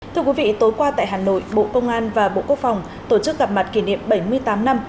thưa quý vị tối qua tại hà nội bộ công an và bộ quốc phòng tổ chức gặp mặt kỷ niệm bảy mươi tám năm